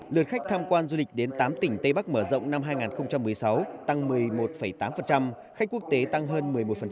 lượt khách tham quan du lịch đến tám tỉnh tây bắc mở rộng năm hai nghìn một mươi sáu tăng một mươi một tám khách quốc tế tăng hơn một mươi một